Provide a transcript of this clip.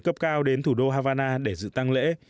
cấp cao đến thủ đô havana để dự tăng lễ